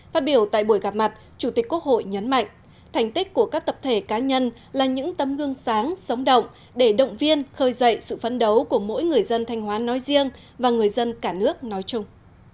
phát biểu tại buổi gặp mặt chủ tịch quốc hội nhấn mạnh thành tích của các tập thể cá nhân là những tấm gương sáng sống động để động viên khơi dậy sự phấn đấu của mỗi người dân thanh hóa nói riêng và người dân cả nước nói chung